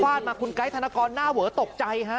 ฝาดมาคุณไก๊ธนกรหน้าเว๋อตกใจฮะ